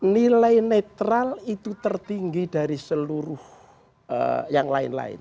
nilai netral itu tertinggi dari seluruh yang lain lain